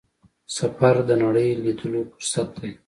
سفر د نړۍ لیدلو فرصت دی.